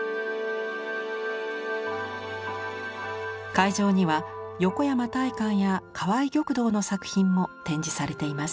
会場には横山大観や川合玉堂の作品も展示されています。